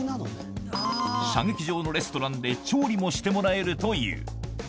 射撃場のレストランで調理もしてもらえるという。